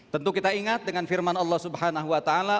tentu kita ingat dengan firman allah subhanahu wa ta'ala